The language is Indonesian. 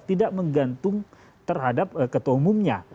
tidak menggantung terhadap ketua umumnya